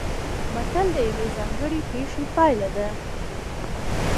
متل د یوې ځانګړې پېښې پایله ده